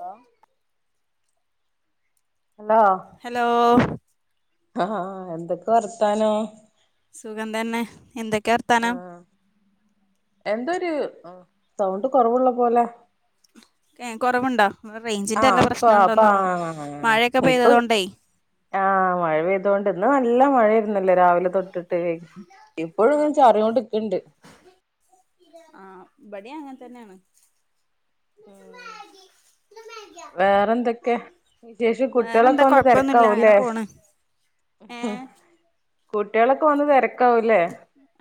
Hello hello ആഹ് എന്തൊക്കെ വർത്താനോ സുഖം തന്നെ. എന്തൊക്കെ വർത്താനം ഒരു സൗണ്ട് കൊറവ്ള്ള പോലെ. ഏ കൊറവ്ണ്ടൊ? ആഹ് അപ്പൊ അപ്പ ആഹ് മഴയൊക്കെ ഇപ്പൊ പെയ്തത് കൊണ്ടേ ആഹ് മഴ പെയ്ത്. അതോണ്ട് ഇന്ന് നല്ല മഴയായിരുന്നല്ലേ രാവിലെ തൊട്ട്. [inaudible] ഇപ്പഴും ആ ഇങ്ങനെ ചാറി കൊണ്ട്ക്ക്ണ്ട്. ബഡെം അങ്ങൻതന്നേണ്. വേറെന്തൊക്കെ? [inaudible] കുട്ടികളൊക്കെ വന്ന തെരക്കാവൂല്ലേ? ഏഹ്? കുട്ടികളൊക്കെ വന്ന തെരക്ക്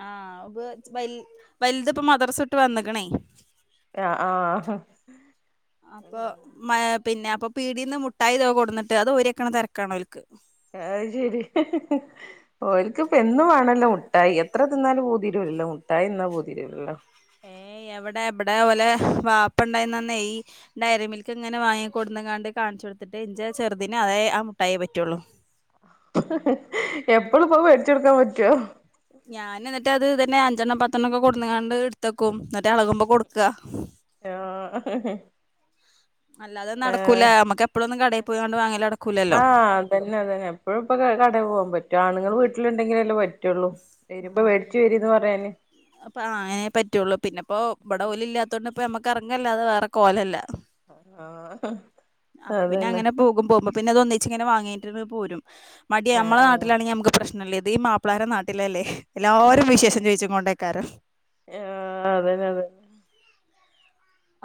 ആഹ് ബ് വൽ വല്തിപ്പം മദറ്സ വിട്ട് വന്ന്ക്ക്ണെ. ആഹ് ആഹ് അപ്പൊ ഉം മാ.. പിന്നെ ഇപ്പൊ പീടീന്ന് മുട്ടായിതകൊണ്ടന്നിട്ട് അത് ഓര്യേക്ക്ണ തെരക്കാണവർക്ക്. അഹ് ശരി [inaudible] ഓർക്കിപ്പ എന്നും വേണല്ലൊ മുട്ടായി. എത്ര തിന്നാലും പൂതിതീരൂല്ല. ഇല മുട്ടായി തിന്നാ പൂതീരൂല്ലല്ലോ ഏയ് എവടെ ഇബടെ ഓലെ വാപ്പണ്ടായിന്നന്നെയ് ഈ ഡയറി മിൽക്ക്ങ്ങനെ വാങ്ങിക്കൊട്ന്ന്ങ്ങാ ണ്ടെ കാണിച്ചൊട്ത്ത്ട്ട് ഇജ്ജ് ആ ചെറുതിന് അതേ ആ മുട്ടായി പറ്റൊള്ളു. [unintelligible] എപ്പഴും ഇപ്പൊ മേടിച്ചു കൊടുക്കാൻ പറ്റോ? ഞാനെന്നിട്ടത് ഇതന്നെ അഞ്ചെണ്ണം പത്തെണ്ണൊക്കെ കൊടുന്ന്ങ്ങാണ്ട് എട്ത്തെക്കും എന്നിട്ട് ഇളകുമ്പ കൊടുക്ക ആഹ് [inaudible] അല്ലാതെ നടക്കൂല. ഏഹ് ഞമ്മക്ക് എപ്പളൊന്നും കടയി പോയിങ്ങാണ്ട് വാങ്ങല് നടക്കൂലല്ലൊ ആഹ് അതന്നെ അതന്നെ എപ്പഴും ഇപ്പ കടേ പോവാൻ പറ്റൊ? ആണ്ങ്ങള് വീട്ടില്ണ്ടെങ്കിലെല്ല പറ്റൂ റ്റൊള്ളൂ ആ വെരുമ്പൊ വേടിച്ചു വരീന്ന് പറയാന് അപ്പൊ അങ്ങനെ പറ്റുള്ളൂ പിന്നെപ്പോ ഇബടെ ഓലില്ലാത്തോണ്ട്പ്പ ഞമ്മക്ക് എറങ്ങല്ലാതെ വേറെ കോലല്ല ആഹ് അപ്പൊ പിന്നെ അതന്നെ അങ്ങനെ പോകും പോവുമ്പ പിന്നെ അത് ഒന്നിച്ച് ഇങ്ങനെ വാങ്ങിട്ട്ണ് പോരും മടിയ ആഹ് ഞമ്മളെ ആഹ് നാട്ടിലാണെങ്കി ഞമ്മക്ക് പ്രശ്നല്ല ഇതീ മാപ്പ്ളാരെ നാട്ട്ലല്ലെ എല്ലാരും ആഹ് വിശേഷം ചൊയ്ച്ചു കൊണ്ടേക്കാരം അതന്നെ അതന്നെ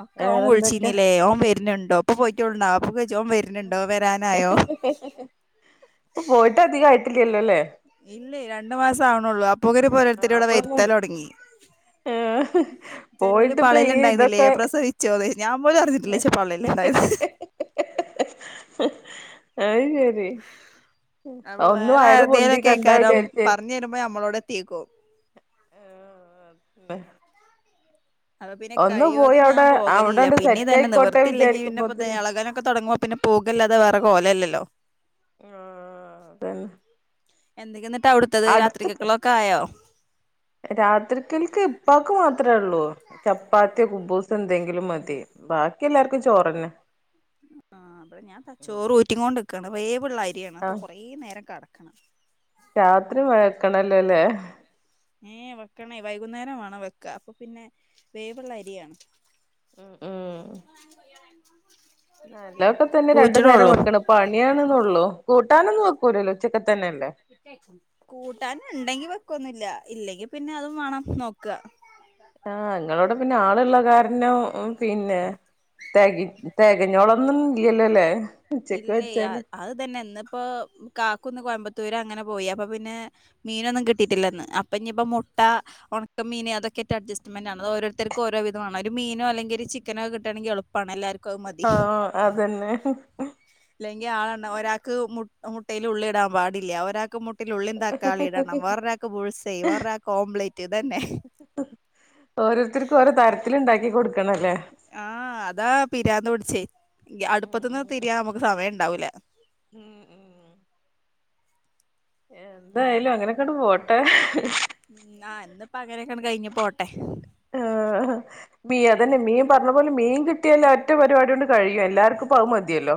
ഒക്കെ ഓൻ വേറെന്തൊക്കെ വുളിച്ചീന്നിലേ ഓൻ വര് ണ്ണ്ടോ ഇപ്പൊ പോയിട്ടൊള്ണാ അ പ്പ പോയിട്ട് അധികായ്ട്ടില്ല്യല്ലലെ ഇല്ല്യ രണ്ട് മാസം ആവ്ണൊള്ളു അപ്പോക്ന് ആഹ് ഓരോര്തര് വടെ അപ്പൊന്ന് വര്ത്തലൊടങ്ങി ഏഹ് ചെലോല് പോയിട്ടിപ്പ പളില് ഈ ഇണ്ടായ്ന്നിലെ ഇതൊക്കെ പ്രസവിച്ചോ ഞാൻ പോലും അറിഞ്ഞ്ട്ടില്ല ച്ച് പള്ളീല്ണ്ടായത് അത് ശരി അപ്പൊ ഒന്നും വേറെ വയറ് പൊന്തി ആരുതേലൊക്കെ കണ്ടാ ഏക്കാരം വിചാരിച്ചെ പറഞ്ഞ് തരുമ്പോ നമ്മളോട് എത്തിക്കും. ആഹ് ബ്ബെ അപ്പൊ പിന്നെ കഴിയോതും ഞാൻ പോകലില്ല അവിടണ്ട് സെറ്റ് പിന്നെതെന്നെ ആയിക്കോട്ടെ നിവർത്തിയില്ലെങ്കി പിന്നെപ്പൊ വിചാരിക്കുമ്പോത്തിന് എളകാനൊക്കെ തൊടങ്ങു അപ്പപിന്നെ പൂക്കല്ലാതെ വേറെകോലല്ലലോ ആഹ് തന്നെ എന്തൊക്കെന്നാട്ടാ അവിടുത്തത് രാത്രിരിക്കക്കള ഒക്കെ ആയോ രാത്രിക്കൽക്ക് ഇപ്പക്ക് മാത്ര മാത്രെള്ളൂ ചപ്പാത്ത്യൊ കുബൂസൊ എന്തെങ്കിലും മതി ബാക്കി എല്ലാർക്കു ചോറന്നെ [unintelligible] ആ വിടെ ഞാൻ ത ച്ചോറ് ഊറ്റി കൊണ്ട്ക്കാണ് വേവ്ള്ള അരിയാണ് അപ്പൊ ആഹ് കൊറേ നേരം കേടക്കണം. രാത്രി വഴക്കണല്ലോലെ? ഏ വെക്കണേ വൈകുന്നേരം വാണം വെക്ക അപ്പൊ പിന്നെ വേവുള്ള അരിയാണ്. ഉം [unintelligible] നല്ലതൊക്കെതന്നെ രണ്ടു നേരം ഊറ്റണൊള്ളൂ വെക്കണ പണിയണെന്നള്ളു. കൂട്ടാനന്നും വെക്കൂലല്ലോ ഉച്ചക്കത്തന്നെല്ലേ? കൂട്ടാനണ്ടെങ്കി വെക്കൊന്നുല്ല ഇല്ലെങ്കി പിന്നെ അതും വേണം നോക്ക. ആഹ് ഇങ്ങളോടെ പിന്നെ ആളുള്ള പിന്നെ തെകി തെകഞ്ഞോളൊന്നും ഇല്ലല്ലോല്ലേ ഉച്ചക്ക് ഇല്ല വെച്ചാല് അത് തന്നെ ഇന്നിപ്പോ കാക്കുന്ന് കോയമ്പ ത്തൂര അങ്ങനെ പോയി അപ്പൊ പിന്നെ മീനൊന്നും കിട്ടിട്ടില്ലന്ന് അപ്പൊ ഞ്ഞിപ്പോ മുട്ട ഉണക്ക മീൻ അതൊ റ്റ് അഡ്ജസ്റ്റ് മെന്റാണ് ആത് ഓരോരുത്തർക്ക് ഓരോ വിധമാണ് ഒരു മീനോ അല്ലങ്കിൽ ഒരു ചിക്കനോ കിട്ടണെങ്കളപ്പാണ് എല്ലാവർ ആ അതന്നെ. ങ്കിൽ ആളെണ് ഒരാൾക്ക് മു മുട്ടൽ ഉള്ളി ഇടാൻ പാടില്ല ഒരാക്ക് മു വീട്ടിലുള്ളി തക്കാളി ഇടണം വേറെരാക്ക് ബുൾസ്യ വേറെരാക്ക് ഓംലേറ്റ് ഇതന്നെ. ഓരോരുത്തർക്കുംഓരോ തരത്തിലു ണ്ടാക്കി ആഹ് അതാ പിരാന്ത് പിടിച്ചേ അടുപ്പത്തന്ന് തിരിയാ മുക്ക് സമയ ണ്ടാവൂല. മ് മ് എന്തായാലും അങ്ങനെക്കെണ്ട് പോട്ടെ. ആ ഇന്ന്പ്പങ്ങനെയൊക്കാണ് കഴിഞ്പോട്ടെ. ആ. ആ മീ അതന്നെ മീൻ പറഞ്ഞപോലെ മീൻ കിട്ടിയാലറ്റ പരിപാടികൊണ്ട് കഴിയും എല്ലാർക്കുപ്പത് മതില്ലോ.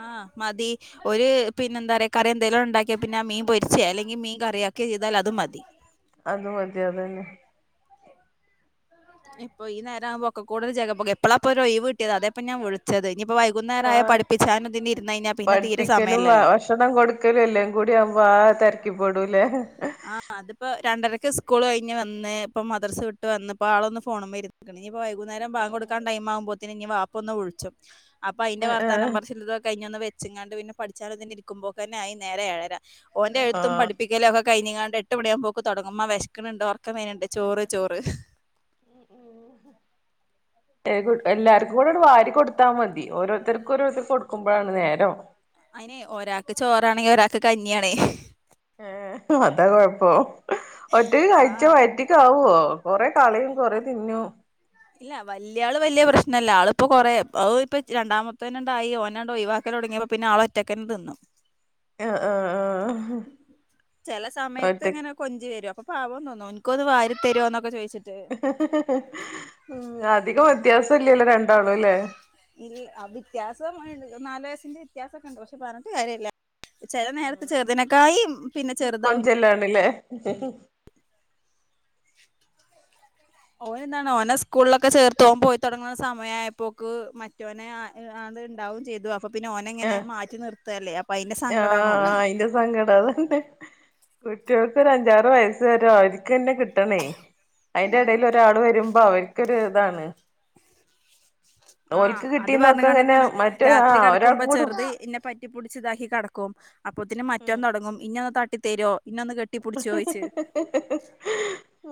ആ മതി ഒരു പിന്നെ ന്താ പറയാ കറിന്തെങ്കലുംണ്ടാക്കിയ പിന്നെ മീൻ പൊരിച്ച അല്ലെങ്കിൽ മീൻ കറിയാക്കെ ചെയ്താൽ അത് മതി. അത് മതി അതന്നെ. ഇപ്പൊ ഈ നേരവ്മ്പോക്കെകൂടൊരു ജഗ പോകെ എപ്പോളാപ്പൊ ഒരുയ് വ് കിട്ടിയത് അതേപ്പൊ ഞാൻ വിളിച്ചത്. ഇനിയിപ്പോ വൈകുന്നേരയ ആഹ് പഠിപ്പിച്ചാനും തിനിരുന്നഴിഞ്ഞാ പിന്നെ തീരെ പഠിപ്പിക്കലും സമയല്ലല്ലോ. വാ തിരക്കി പെടൂലേ ആഹ് അതിപ്പോ രണ്ടരക്ക് സ്കൂൾ കഴിഞ് വന്ന് ഇപ്പ മദർസ് വിട്ട് വന്ന്പ്പോ ആളൊന്ന് ഫോണ ഇര് ഇപ്പ വൈകുന്നേരം ബാങ്കൊടുക്കാൻ ടൈംവുമ്പോത്തേന് ഇനി വാപ്പൊന്ന് വിളിച്ചും അപ്പൊ അയ്ന്റെ വർത്താനം ആഹ് പർചിലൊക്കെ ഇതൊക്കെ കയിഞ്ഞൊന്ന് വെച്ചങ്ങാണ്ട് പിന്നേ പഠിച്ചാനു തിനുരിക്കുമ്പോക്കന്നെയി നേരെ ഏയരാ. ഓന്റെ എഴ്ത്തും ആഹ് പഠിപ്പിക്കലൊക്കെ കഴിഞ്ഞങ്ങാണ്ട് എട്ട് മണിയകുമ്പോക്ക് തൊടങ്ങും മ്മ വിശക്കണുണ്ട്. ഒറക്ക വേരണ്ട് ചോറ് ചോറ് മ് എല്ലാർക്കുംടെങ്ങട് വാരി കൊടുത്താ മതി ഓരോരുത്തർക്കും ഓരോരുത്തർക്കും കൊടുക്കുമ്പോഴാണ് നേരം അയിനെ ഒരാൾക്ക് ചോറാണെങ്കി ഒരാക്ക് കഞ്ഞിയണെ ഏ അതാ കൊഴപ്പം ഒറ്റക്ക് കഴിച്ച ആഹ് വയറ്റക്ക് ആവോ? കൊറേ കളയും കൊറേ തിന്നും. ഇല്ല വല്യാൾ വല്യ പ്രശ്നല്ല ആളപ്പോ കൊറേ അ ഇപ്പൊ രണ്ടാമത്തൊനണ്ടോയി ഓനങ്ങാട് ഒയിവക്കലോ ടങ്ങിയപ്പോ പിന്നെ ആളോറ്റക്കന്നേ തിന്നും. ആഹ് ആഹ് ആഹ് ചെല സമയത്ത് ഒറ്റക്ക് ങ്ങനെ കൊഞ്ചി വരും അപ്പൊ പാവം തോന്നോ നിക്കൊന്ന് വാരി തരോന്നൊക്കെ ചോ ഹ ഹ ഹ ഹ മ് അധികം വ്യത്യാസല്ലല്ലോ രണ്ടാളുംല്ലേ? ഇൽ വ്യത്യാസം നാലയസിന്റെ വ്യത്യാസക്കെണ്ട് പക്ഷെ പറഞ്ഞിട്ട് കാര്യല്ല. ചില നേരത് ചെറുതിനക്കായിം. കൊഞ്ചലാണല്ലേ. ഓനന്നാണ് ഓനെ സ്കൂളിലൊക്കെ ചേർത്ത് ഓൻ പോയിത്തടങ്ങുന്ന സമയപ്പോക്ക് മറ്റോനെ ആ ണ്ടാവും ചെയ്തു അപ്പൊ പിന്നൊനെങ്ങനെ മാറ്റി നിർത്തല്ലേ അപ്പ അയ്‌ന്റെ സ ആ അയിന്റെ സങ്കടം അതന്നെ. കുട്ടികൾക്കൊരു അഞ്ചാറ് വയസ്സ് വരെ അവർക്കന്നെ കിട്ടണേ അയിന്റെ എടേൽ ഒരാള് വരുമ്പോ അവർക്കൊരു ഇതാണ് ആഹ് ഓൽക്ക് അത് കിട്ടീന്നൊക്കെ പറഞ്ഞ്കാണ്ട് ഇങ്ങനെ തന്നെണ് മറ്റേ രാത്രി ആഹ് കിടക്കുമ്പോ ഒരാൾക്കും കൂടി ചെറുത് ഇന്നെ പറ്റ തട്ടി പുടിച്ചിതാക്കി കടക്കും അപ്പൊത്തിന് മറ്റോൻ തുടങ്ങും ഇന്നേ ഒന്ന് തട്ടി തരുഒ ഇന്നേ ഒന്ന് കെട്ടിപ്പുടിച്ചോ ചോയിച്ച്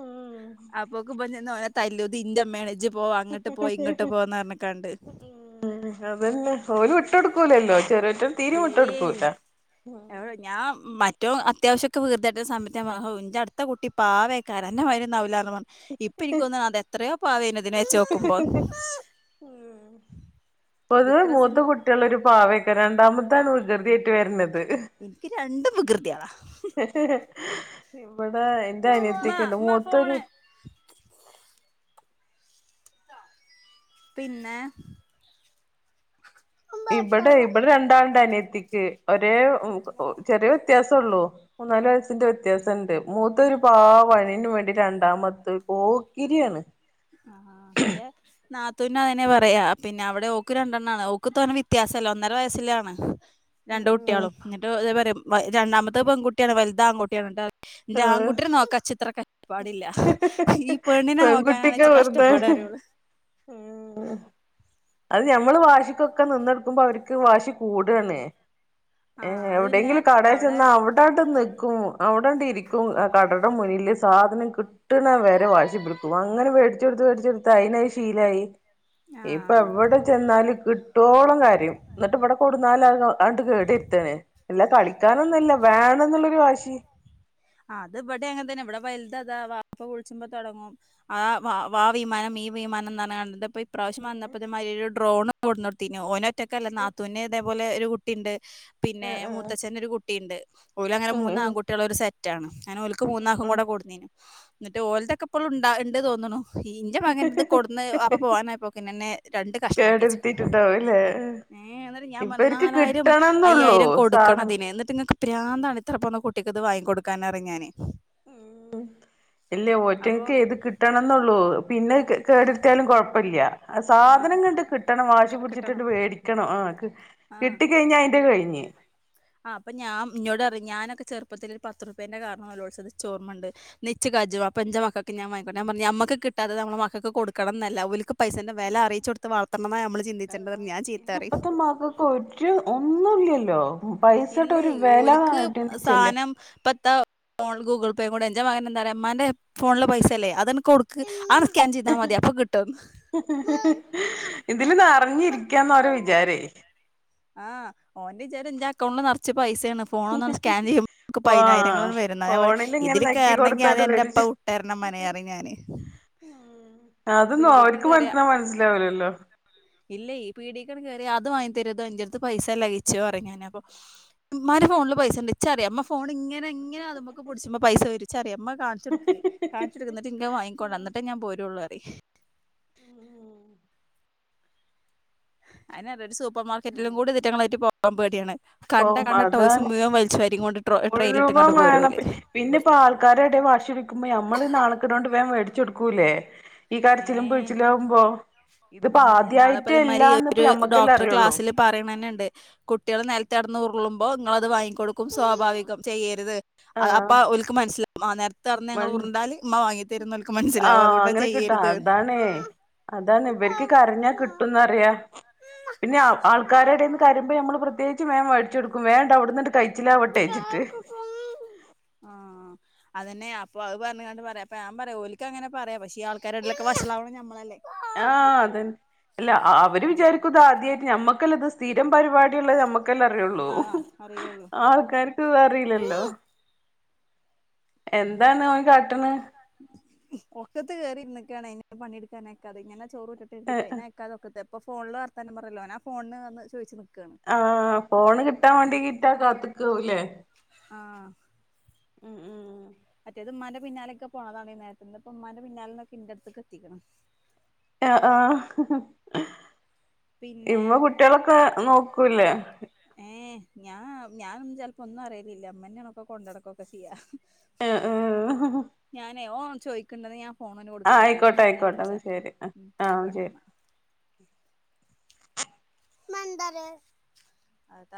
ഉം ഉം അപ്പൊക്ക്ബൻ ചെന്ന് ഓനെ തല്ലുതിന്റെ മ്മേണു ഇജ്ജ് പോ അങ്ങട്ട് പോ ഇങ്ങട്ട് പോന്ന് പറഞ്ഞ് ഉം അതന്നെ ഓര് വിട്ടൊടുക്കൂലല്ലോ ചെറ ഏയ് എവ്ടെ ഞാ ഏറ്റവും അത്യാവശ്യൊക്കെ വികൃതി കാട്ടണം സമയത്ത് ഞാ പറയും ഹൌ ന്റെ അടുത്ത കുട്ടി പാവെക്കാരം അന്റെമായ്രി ഒന്നുആവില്ല പറഞ്ഞു ഇപ്പൊ എനിക്കൊന്നണ് അത് എത്രയോ പാവയിനിതിനെ വെച്ചോക്കുമ്പോന്ന് പൊതുവെ മൂത്ത കുട്ടികള് ഒരു പാവെക്കാരം രണ്ടാമത് അതാണ് വികിർതിയായിട്ട് വരണത് വികൃതിയാള ഹ്ഹ് ഹ് ഇവിടെ എന്റെ ഇമ്മാ അനത്തിക്കിണ്ട് ഇമ്മാ മൂത്തൊരു ഫോണ് പിന്നെ ഇബടെ ഇബടെ രണ്ടാളുണ്ട് അനിയത്തിക്ക് ഒരേ ചെറിയ വ്യത്യാസം ഒള്ളൂ മൂന്നാലു വയസ്സിന്റെ വ്യത്യാസൻഡ് മൂത്തേ ഒരു പാവാണു അയിനും വേണ്ടി രണ്ടാമത്തെ പോക്കിരിയാണ് ആ ഇന്റെ നാത്തൂനയന്നെ പറയാ പിന്നെ അവിടെ ഓക്ക് രണ്ടെണാണ് ഓക്ക് തോന്നെ വ്യത്യാ സല്ല ഒന്നര വയസ്സിലാണ് ഉം രണ്ട് ഉം കുട്ട്യാളും എന്നിട്ട് ഇ പറയും രണ്ടാമത്തെ പെൺകുട്ടിയാണ് വലുത് ആൺകുട്ടിയാണ് എന്നിട്ട് ന്റെ ആഹ് ആൺകുട്ടിനെ നോക്കാൻ ച്ച്ത്ര കഷ്ടപ്പാടില്ല ഈ പെണ്ണിനെ നോക്ക കുട്ടിക്കാ വെറ്തെ അത് ഞമ്മള് വാശിക്കൊക്കെ നിന്നൊടുക്കുമ്പോ അവർക്ക് വാശി കൂടാണ് ഏ ആഹ് അത് പിന്നെ എവിടെയങ്കിലും കടേ അവിടെ ചെന്നാ അവിടെങ്ങട്ട് നിക്കും അവിടേണ്ട് ഇരിക്കും കടേടെ മുന്നിൽ സാധനം കിട്ടണ വരെ വാശി പിടിക്കും അങ്ങനെ മേടിച്ചോ മേടിച്ചോടുത്ത അയിന് അയ് ശീലായി ഇപ്പ എവിടെ ആഹ് ചെന്നാല് കിട്ടോളം കരയും ന്നട്ട് ഇവിടെ കൊടന്നാലാണോ അങ്ങട് കേടിരുത്തേണെ ഇല്ല കളിക്കാനൊന്നുംല്ല വേണം എന്നുള്ളൊരു വാശി അത് ബടിം അങ്ങനെ തന്നെ ഇവിടെ വലുത് അതാ വാപ്പ വിളിച്ചുമ്പോ തുടങ്ങും ആ വ വ വിമാനം ഈ വിമാനംന്ന് പറഞ്ഞണ്ട് ഇപ്പെ പ്രാവശ്യം വന്നപ്പോ ഇതുമാതിരി ഒരു ഡ്രോൺ ഒക്കെ കൊടന്ന് കൊടുത്തിനി ഓന് ഒറ്റക്കല്ല നാത്തൂന് ഇതേപോലെ ഒരു കുട്ടിണ്ട് പിന്നെ മൂത്തച്ഛന് ഒരു കുട്ടിണ്ട് ഓര് അങ്ങനെ ഉം മൂന്ന് ഉം ആൺകുട്ടികള ഒരു സെറ്റാണ് അങ്ങനെ ഓൽക്ക് മൂന്നാകും ഉം കൂടെ കൊടുന്നീനു ന്നിട്ട് ഓൽതൊക്കെ ഇപ്പഴും ഇണ്ട് തോന്നണു ഇന്റെ മകൻത് കൊടുന്ന് വാപ്പ പോവാനായിപ്പോക്കന്നെന്നെ രണ്ട് കഷ്ണക്കി വെച്ചിക്കിണ് കേടിരുത്തിട്ടുണ്ടാവുംല്ലേ ഏ എന്നട്ട് ഞാൻ ഇപ്പൊ പറഞ് എനിക്ക് നാലായിരം കിട്ടണംന്നള്ളൂ അയ്യായിരം കൊടുക്കണം സാധനം അതിന് ന്നിട്ട് ഇങ്ങക്ക് ഉം പ്രാന്താണ് ഇത്ര പോന്ന കുട്ട്യാക്ക് കുട്ടിക്കിത് വാങ്ങി കൊടുക്കാനാറിയും ഞാന് ഉം ഇല്ലേ അപ്പൊ റ്റയ്ക്ക് ത് കിട്ടണംന്നൊള്ളു പിന്നെ കേടെരുത്തിയാലും കുഴപ്പല്യ ആഹ് സാധനം ങ്ങട്ട് കിട്ടണം വാശി കിട്ടണം പിടിച്ചിട്ടിണ്ട് മേടിക്കണം ആ ആഹ് കിട്ടി കഴിഞ്ഞ അതിന്റെ കഴിഞ്ഞു ഏ ആഹ് അപ്പ ഞാ ഇനോട് പറഞ് ഞാനൊക്കെ ചെറുപ്പത്തില് ഒരു പത്തൂറിപ്പിയെന്റെ കാറിന് നോലോളിച്ചത് ഇചോർമ്മണ്ട് നി ഇച്ച് കജ്ജും അപ്പൊ ന്റെ മക്കക്ക് ഞാൻ വാങ്ങി കൊടുക്കാ ഞാൻ പറഞ് ഞമ്മക്ക് കിട്ടാത്തത് ഞമ്മടെ മക്കക്ക് കൊട്ക്കണം ന്ന് അല്ല ഓല്ക്ക് ചിന്തിച്ചണ്ടത് ഞാൻ ചീത്ത ഇല്ല പറയും ഇപ്പത്തെ മക്കക്കൊരു ഒന്നും ഇല്ലല്ലോ ഇല്ലേയ് ഓല്ക്ക് സാധനം പത്ത ഫോൺ ഗൂഗിൾ പ്പേം കൂടെ ഇന്ജെ മകൻ എന്താ പറയാ ഇമ്മാന്റെ ഫോണില് പൈസ ല്ലേ അതങ്ങത് കൊട്ക്ക് ആ സ്കാൻ ചെയ്താ മതി അപ്പൊ കിട്ടും ന്ന് ഹ്ഹ് ഹ് ഹ് ഇതില് നിറഞ്ഞിരിക്കന്നാണ് ഓരെ വിചാരേ ആഹ് ഓന്റെ വിചാരം ന്റെ അക്കൗണ്ടില് നിറച്ച് പൈസ അതേണ്‌ ഫോണൊന്ന് സ്കാൻ ചെയ്യും ബമ്മക്ക് ആ പതിനായിരങ്ങള് വരുന്നാ ഞാൻ പറിമ് ഫോണിൽ ഇങ്ങനെ ഇതില് നക്കി കേറണെങ്കി കൊടുത്താണ്ട് ആദ്യം അന്റെ വരും ബുട്ടരണം ണം മനെ യറിം ഞാന് ഉം അതൊന്നും പീടിക്കാണ്ട് ഓര്ക്ക് പറ [inaudible] മനസ്സിലാവിലല്ലോ ഇല്ല ഈ പീഡീക്കാണ്‌ കേറിയെ അത് വാങ്ങി തരരുത് എന്റടുത്ത് പൈസ ഇല്ല കിച്ചു പറയും ഞാനപ്പം ഉമ്മാ ന്റെ ന്റെ ഫോണില് പൈസ ഉണ്ട് ഇച്ചറിയാം അമ്മ ഫോൺ ഇങ്ങന ഇങ്ങനെ അ അതുമക്ക് പടിച്ചമ്മ പൈസ വരും ഇച്ചറിയാം ഇമ്മ കാണിച്ചൊടുക്ക് കാണിച്ചൊടുക്ക് എന്നിട്ട് ഇങ്കാ വാങ്ങിക്കോണ്ട് വാ അന്നിട്ടെ ഞാൻ പോരുള്ളൂ റിം ഉം അയിന് അതൊരു സൂപ്പർ മാർക്കറ്റിലും കൂടി ഇതിറ്റങ്ങളായിട്ട് പോവാൻ പേടിയാണ് ഓ കണ്ട കണ്ട ടോയ്സ് അതാണ് മുയുവൻ വലിച്ചുവാരി മുഴുവൻ വേണം പിന്നെ ഇപ്പോ ആൾക്കാരെ എടെ വാശിവിക്കുമ്പോ നമ്മള് നാണക്കേട് കൊണ്ട് വേഗം വേടിച്ചു ച്ച് കൊടുക്കൂല്ലേ ഈ കരച്ചിലും ഏഹ് പിഴിച്ചിലും ആവുമ്പോ ഇതിപ്പോ ഉം എന്നാളിപ്പോ ആദ്യായിട്ട് ഇതേമാതിരി എല്ലാന്ന് ഇപ്പ ഒരു ഞമ്മക്കല്ലേ ഡോക്ടർ അറിയുള്ളൂ ക്ലാസ്സില് പറയണ തന്നെ ഉണ്ട് കുട്ടികള് നെലത്ത് കെടന്ന് ഉർള്ളുമ്പോ നിങ്ങളത് വാങ്ങിക്കൊടുക്കും സ്വാഭാവികം ചെയ്യരുത് ആ ആഹ് അപ്പൊ ഓൽക്ക് മനസ്സിലാവും ആ നേര ത്ത് കെടന്ന് ഞങ്ങള് മൻ ഉരുണ്ടാല് ഉമ്മ വാങ്ങി തരൂന്ന് ഓൽക്ക്‌ മനസ്സിലാവും അതുകൊണ്ട് ചെയ്യേര്ത് ആ അതാണേ അതാണ് ഇവർക്ക് കരഞ്ഞാ കിട്ടുംന്നറിയാ പിന്നെ ആൾക്കാരെ എടേന്ന് കരയുമ്പോ നമ്മള് പ്രത്യേകിച്ച് വേഗം വേടിച്ചു കൊടുക്കും വേണ്ട അവിടന്നട്ട് കഴിച്ചിലാവട്ടേചിട്ട് അതന്നെയ അപ്പൊ അത് പറഞ്ഞുകാണ്ട് പറയും അപ്പൊ ഞാൻ പറയും ഓൽക്ക്‌ അങ്ങനെ പറയാ പക്ഷെ ഈ ആൾക്കാരടെ ഇടയിലൊക്കെ വഷളാവണ ഞമ്മളല്ലേ ആഹ് അതന്നെ ഞമ്മക്കല്ലത് സ്ഥിരം പരിപാടി ടിയുള്ള ഞമ്മക്കല്ലേ അറിയുള്ളൂ ആഹ് അറിയുള്ളൂ ആൾക്കാർക്ക് അറിയില്ലല്ലോ എന്താണ് അവൻ കാട്ടണ് ഒക്കത്ത് കേയറി ഇരുന്നക്കാണെ ഞാൻ പണിയെടുക്കാനൊക്കെ അത് ഇങ്ങനെ ചോറ് കൊടുത്തിട്ട് ഇരുത്തീട്ടെ ഞാൻ ഇക്കാതെ ഒക്കത്ത് ഇപ്പ ഫോണില് വർത്താനം പറല്ലോ ആ ഫോണിന് വന്ന് ചോദിച്ച്ണു ആഹ് ഫോണ് കിട്ടാൻ വേണ്ടി കിട്ടാ കാത്ത്ക്കാവുല്ലേ ആഹ് ഉം -ഉം മറ്റേത് ഉമ്മാന്റെ പിന്നാലൊക്കെ പോണതാണ് ഈ നേരത്തന്ന് ഇപ്പ ഉമ്മാന്റെ പിന്നാലന്നോക്ക് എന്റടുത്തേക്ക് എത്തിക്കണം ആഹ് -ആഹ് പിന്നെ ഇമ്മ കുട്ടികളൊക്കെ നോക്കൂല്ലേ ഏഹ് ഞാ ഞാനൊന്നും ചെലപ്പോ ഒന്നും അറിയലില്ല ഉമ്മന്നയാണൊക്കെ കൊണ്ടടക്കൊക്കെ ചെയ്യാ ആഹ്- ആഹ് നെ ഓൻ ചോദിക്കേണ്ടത് ഞാൻ ഫോണവന് ആഹ് കൊടുക്കട്ടിട്ടില്ലേ ഞാൻ ആയിക്കോട്ടെ പിന്നെ ആയിക്കോട്ടെ വിളിച്ചാ എന്നാ ശരി ആഹ് ശരി ആയിക്കോട്ടന്നാ ഇമ്മന്താത് അട